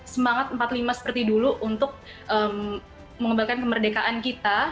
semangat empat puluh lima seperti dulu untuk mengembangkan kemerdekaan kita